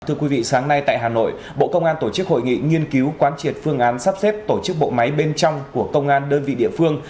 thưa quý vị sáng nay tại hà nội bộ công an tổ chức hội nghị nghiên cứu quán triệt phương án sắp xếp tổ chức bộ máy bên trong của công an đơn vị địa phương